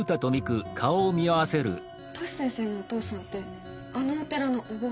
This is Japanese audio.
トシ先生のお父さんってあのお寺のお坊さん？